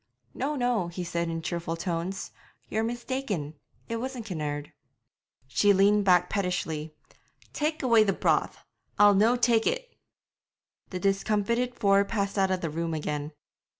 'No, no,' he said in cheerful tones; 'you're mistaken it wasn't Kinnaird.' She leaned back pettishly. 'Tak' away the broth; I'll no' tak' it!' The discomfited four passed out of the room again.